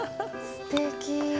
すてき。